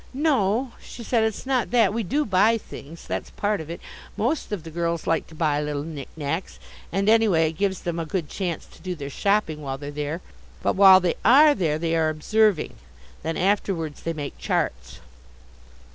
"No," she said, "it's not that. We do buy things. That's part of it. Most of the girls like to buy little knick knacks, and anyway it gives them a good chance to do their shopping while they're there. But while they are there they are observing. Then afterwards they make charts."